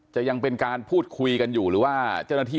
ยังเป็นการพูดคุยกันอยู่หรือว่าเจ้าหน้าที่